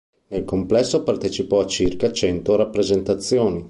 Nel complesso partecipò a circa cento rappresentazioni.